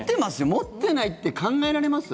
持ってないって考えられます？